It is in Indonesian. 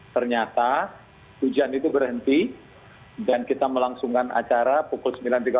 ternyata hujan itu berhenti dan kita melangsungkan acara pukul sembilan tiga puluh